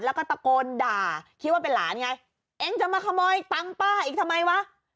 แล้วก็ตะโกนด่าคิดว่าเป็นหลานไงเองจะมาขโมยตังค์ป้าอีกทำไมวะ